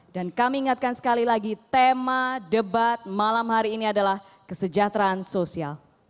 kami ingatkan sekali lagi tema debat malam hari ini adalah kesejahteraan sosial